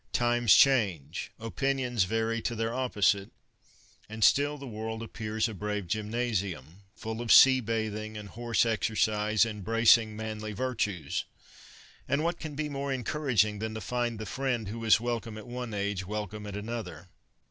Times change, opinions vary to their opposite, and still the world appears a brave gymnasium, full of sea bathing, and horse exercise, and bracing, manly virtues ; and what can be more encouraging than to find the friend who was welcome at one age welcome at another